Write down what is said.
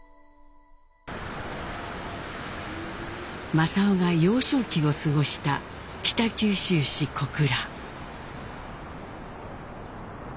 正雄が幼少期を過ごした北九州市小倉。